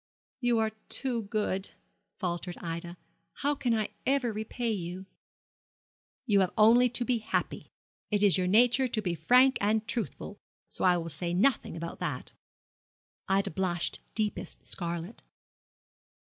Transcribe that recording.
'You are too good,' faltered Ida. 'How can I ever repay you?' 'You have only to be happy. It is your nature to be frank and truthful, so I will say nothing about that.' Ida blushed deepest scarlet.